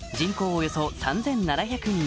およそ３７００人